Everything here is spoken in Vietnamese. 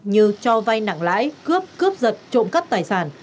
như cho vai nặng lãi cướp cướp giật trộm cắt tài sản